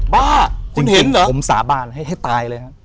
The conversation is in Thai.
บ้าคุณเห็นหรอผมลูกค่ะผมสาบานให้ตายเลยครับ